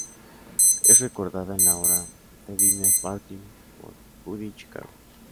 Es recordada en la obra "The Dinner Party," por Judy Chicago.